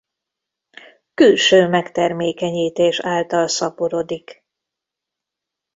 Külső megtermékenyítés által szaporodik.